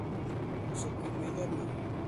Осоп китмәйҙәрме һуң?